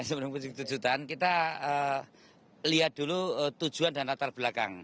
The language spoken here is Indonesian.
sebelum kucing kejutan kita lihat dulu tujuan dan latar belakang